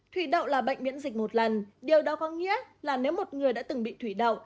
thủy đậu là bệnh miễn dịch một lần điều đó có nghĩa là nếu một người đã từng bị thủy đậu